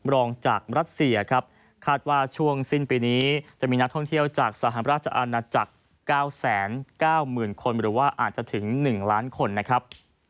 รองจากรัสเซียครับคาดว่าช่วงสิ้นปีนี้จะมีนักท่องเที่ยวจากสหราชอาณาจักร๙๙๐๐คนหรือว่าอาจจะถึง๑ล้านคนนะครับ